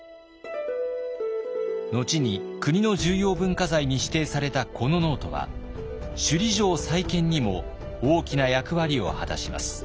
後に国の重要文化財に指定されたこのノートは首里城再建にも大きな役割を果たします。